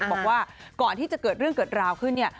บอกว่าก่อนที่จะเกิดเรื่องเกิดราวขึ้นเนี่ย